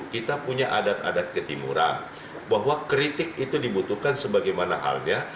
kita punya adat adat ketimuran bahwa kritik itu dibutuhkan sebagaimana halnya